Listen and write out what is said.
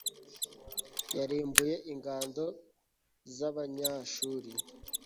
yarimbuye ingando z'abanyashuru